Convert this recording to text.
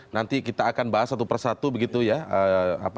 nanti kita akan bahas satu persatu begitu ya